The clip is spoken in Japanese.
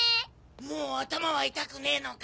もう頭は痛くねえのか？